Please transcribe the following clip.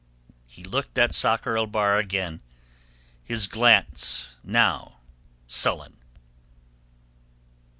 He looked at Sakr el Bahr again, his glance now sullen.